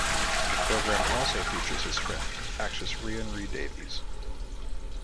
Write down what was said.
The programme also features his friend, actress Rhian Ree Davies.